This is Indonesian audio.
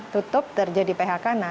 tutup terjadi phk